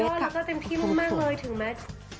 น้องสุดยอดแล้วก็เต็มที่มากเลยถึงแม้